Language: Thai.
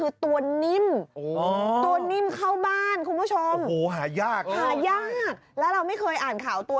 ได้มาแล้ว